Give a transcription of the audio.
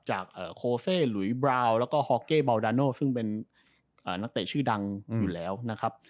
โคเซลุยบราวแล้วก็ฮอเก้เบาดาโนซึ่งเป็นนักเตะชื่อดังอยู่แล้วนะครับ